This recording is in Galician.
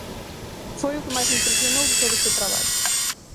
Foi o que máis me impresionou de todo este traballo.